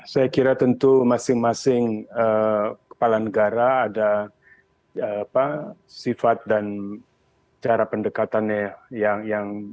saya kira tentu masing masing kepala negara ada sifat dan cara pendekatannya yang